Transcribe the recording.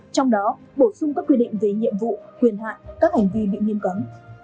trong đó bổ sung các quy định về nhiệm vụ quyền hạn các hành vi bị nghiêm cấm